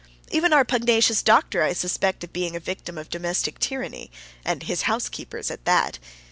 Even our pugnacious doctor I suspect of being a victim of domestic tyranny, and his housekeeper's at that.